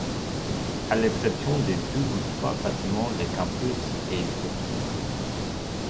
À l'exception de deux ou trois bâtiments, le campus est détruit.